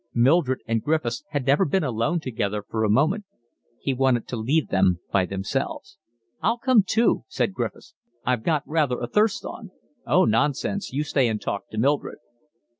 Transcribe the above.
Mildred and Griffiths had never been alone together for a moment. He wanted to leave them by themselves. "I'll come too," said Griffiths. "I've got rather a thirst on." "Oh, nonsense, you stay and talk to Mildred."